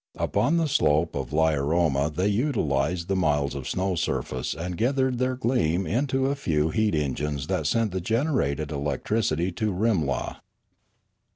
Upon the slope of Lilaroma they utilised the miles of snow surface and gathered their gleam into a few heat engines that sent the generated electricity into Rimla.